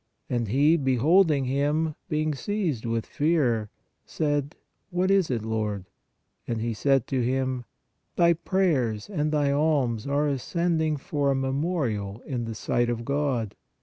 And he, beholding him, being seized with fear, said: What is it, Lord? And he said to him : Thy prayers and thy alms are ascended for a memorial in the sight of God.